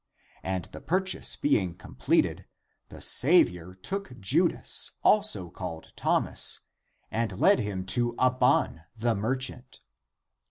And the purchase being completed, the Saviour took Judas, also called Thomas, and led him to Abban, the Merchant.